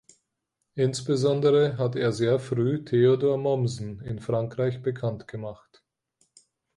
Insbesondere hat er sehr früh Theodor Mommsen in Frankreich bekannt gemacht.